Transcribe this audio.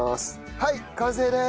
はい完成です！